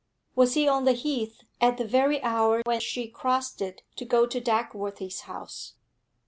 Was he on the heath at the very hour when she crossed it to go to Dagworthy's house?